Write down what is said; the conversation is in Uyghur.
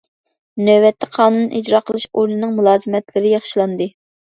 نۆۋەتتە قانۇن ئىجرا قىلىش ئورنىنىڭ مۇلازىمەتلىرى ياخشىلاندى.